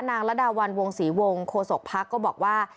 นางระดาวัลวงศีวงโคสกภาคก็บอกว่า